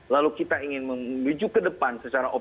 lalu kita ingin menuju ke depan secara otomatis